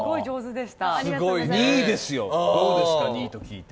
２位ですよどうですか、２位と聞いて。